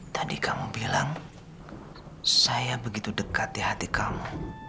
tadi kamu bilang saya begitu dekat di hati kamu